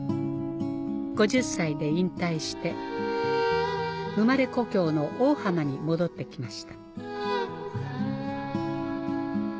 ５０歳で引退して生まれ故郷の大浜に戻って来ました